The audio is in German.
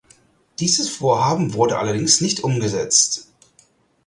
Dieses Vorhaben wurde allerdings nicht umgesetzt.